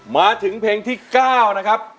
มาถึงเพลงที่๙นะครับ